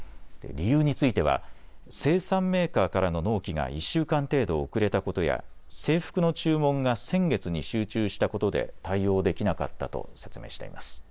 理由については生産メーカーからの納期が１週間程度遅れたことや制服の注文が先月に集中したことで対応できなかったと説明しています。